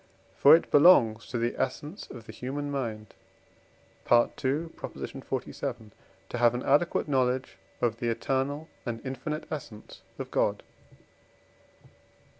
For it belongs to the essence of the human mind (II. xlvii.), to have an adequate knowledge of the eternal and infinite essence of God.